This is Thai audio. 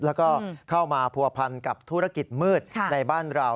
แล้วก็เข้ามาผัวพันกับธุรกิจมืดในบ้านเรา